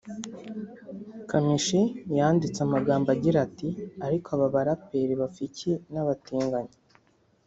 Kamichi yanditse amagambo agira ati “Ariko aba rapeurs bapfa iki n’abatinganyi